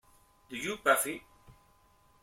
Do You Puffy?